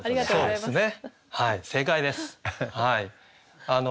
そうですね。